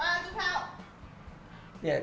ไม่เดินนะเอาแบบจริง